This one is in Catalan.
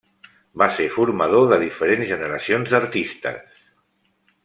Va ser formador de diferents generacions d'artistes.